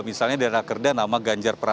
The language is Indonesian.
misalnya dari rakerda nama ganjar prasad